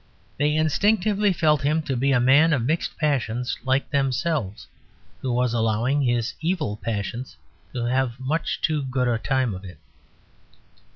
They instinctively felt him to be a man of mixed passions like themselves, who was allowing his evil passions to have much too good a time of it.